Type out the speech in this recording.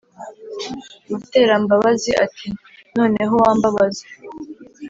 Muterambabazi ati"noneho wambabaza"